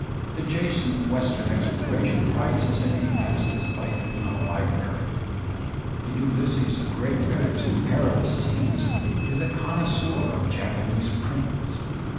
The Jason of western exploration writes as if he had passed his life in a library. The Ulysses of great rivers and perilous seas is a connoisseur of Japanese prints.